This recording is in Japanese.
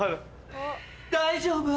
大丈夫？